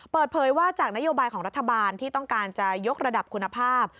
เปิดเผยว่าจากนโยบายของรัฐบาลที่ต้องการจะยกระดับคุณภาพ